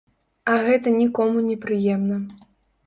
А гэта нікому не прыемна.